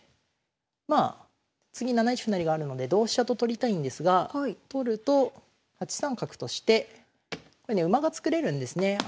まあ次７一歩成があるので同飛車と取りたいんですが取ると８三角として馬が作れるんですね。